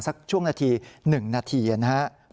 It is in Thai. สักช่วงนาที๑นาทีนะครับ